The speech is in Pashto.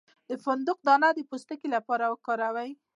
د فندق دانه د پوستکي لپاره وکاروئ